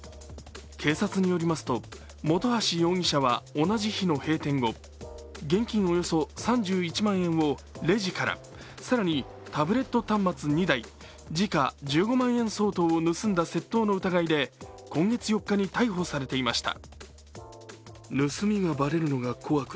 警察によりますと、本橋容疑者は同じ日の閉店後、現金およそ３１万円を、レジから、更にタブレット端末２台時価１５万円相当を盗んだ窃盗の疑いで今月４日に逮捕されていました。